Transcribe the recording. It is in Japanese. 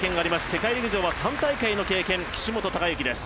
世界陸上は３大会の経験岸本鷹幸です。